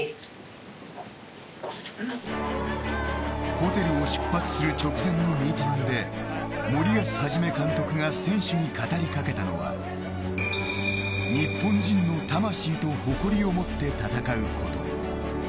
ホテルを出発する直前のミーティングで森保一監督が選手に語りかけたのは日本人の魂と誇りを持って戦うこと。